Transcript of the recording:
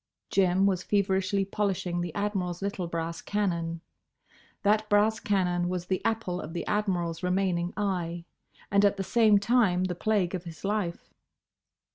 Jim was feverishly polishing the Admiral's little brass cannon. That brass cannon was the apple of the Admiral's remaining eye; and at the same time the plague of his life.